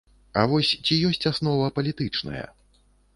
А вось ці ёсць аснова палітычная?